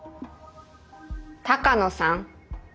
鷹野さん。